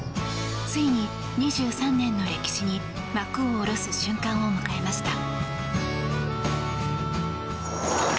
ついに、２３年の歴史に幕を下ろす瞬間を迎えました。